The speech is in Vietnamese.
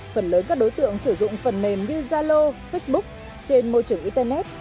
phần lớn các đối tượng sử dụng phần mềm như zalo facebook trên môi trường internet